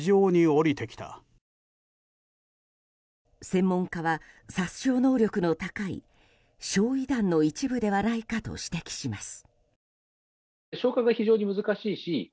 専門家は殺傷能力の高い焼夷弾の一部ではないかと指摘します。